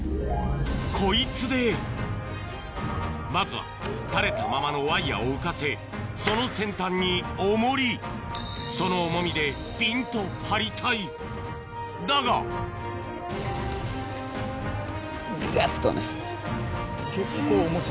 こいつでまずは垂れたままのワイヤを浮かせその先端にオモリその重みでピンと張りたいだがざっ！とね。